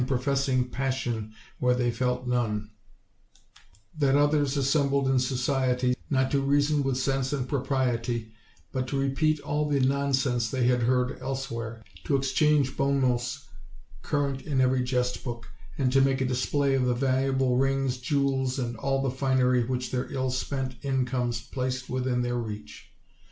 professing passion where they felt none; that othert assembled in societies, not to reason with sense and pro priety, but to repeat all the nonsense they had heard else where, to exchange bon mots current in every jest book, and to make a display of the valuable rings, jewels, and all the finery which their ill spent incomes placed within their reach.